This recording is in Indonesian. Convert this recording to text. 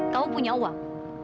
kamu punya uang